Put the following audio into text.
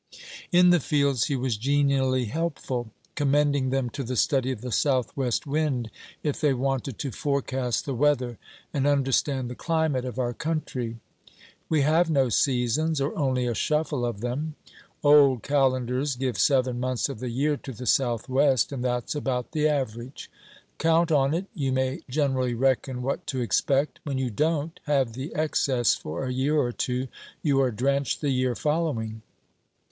In the fields he was genially helpful; commending them to the study of the South west wind, if they wanted to forecast the weather and understand the climate of our country. 'We have no Seasons, or only a shuffle of them. Old calendars give seven months of the year to the Southwest, and that's about the average. Count on it, you may generally reckon what to expect. When you don't have the excess for a year or two, you are drenched the year following.'